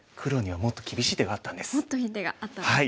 もっといい手があったんですね。